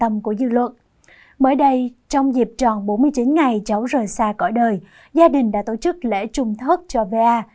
mới đây trong dịp tròn bốn mươi chín ngày cháu rời xa cõi đời gia đình đã tổ chức lễ trùng thất cho va